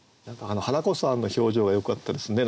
華子さんの表情がよかったですね。